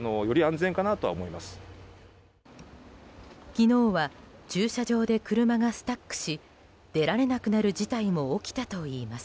昨日は駐車場で車がスタックし出られなくなる事態も起きたといいます。